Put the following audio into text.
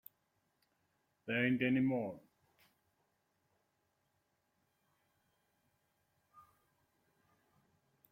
There ain't any more.